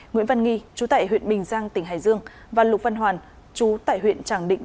nguyễn văn nghi chú tại huyện bình giang tỉnh hải dương và lục văn hoàn chú tại huyện tràng định